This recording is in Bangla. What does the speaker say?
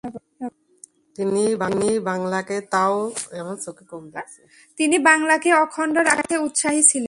তিনি বাংলাকে অখণ্ড রাখতে উৎসাহী ছিলেন।